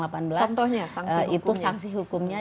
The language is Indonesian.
contohnya sanksi hukumnya